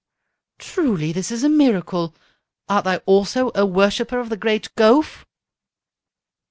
"Truly this is a miracle! Art thou also a worshipper of the great Gowf?"